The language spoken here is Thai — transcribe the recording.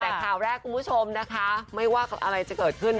แต่ข่าวแรกคุณผู้ชมนะคะไม่ว่าอะไรจะเกิดขึ้น